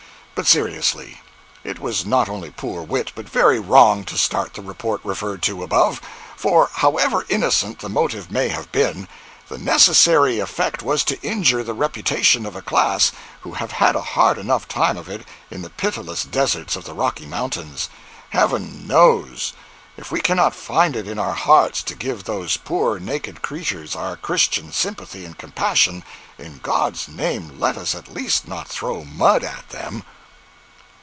But seriously, it was not only poor wit, but very wrong to start the report referred to above; for however innocent the motive may have been, the necessary effect was to injure the reputation of a class who have a hard enough time of it in the pitiless deserts of the Rocky Mountains, Heaven knows! If we cannot find it in our hearts to give those poor naked creatures our Christian sympathy and compassion, in God's name let us at least not throw mud at them.